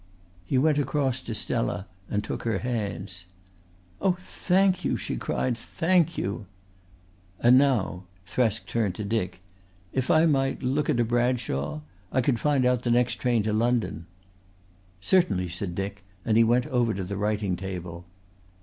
He went across to Stella and took her hands. "Oh, thank you," she cried, "thank you." "And now" Thresk turned to Dick "if I might look at a Bradshaw I could find out the next train to London." "Certainly," said Dick, and he went over to the writing table.